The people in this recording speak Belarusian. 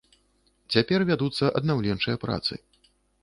Цяпер вядуцца аднаўленчыя працы.